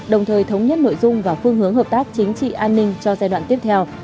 đồng thời thống nhất nội dung và phương hướng hợp tác chính trị an ninh cho giai đoạn tiếp theo